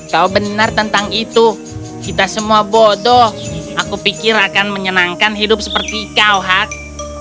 kau benar tentang itu kita semua bodoh aku pikir akan menyenangkan hidup seperti kau hak